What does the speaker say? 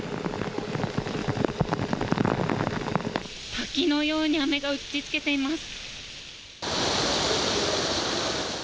滝のように雨が打ちつけています。